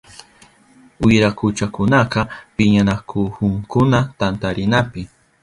Wirakuchakunaka piñanakuhunkuna tantarinapi.